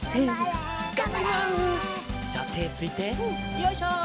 よいしょ！